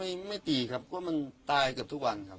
ก็ไม่ตีครับก็มันตายกับทุกวันครับ